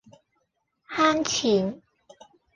慳錢